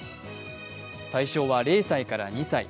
対象は０歳から２歳。